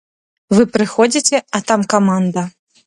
Вы прыходзіце, а там каманда.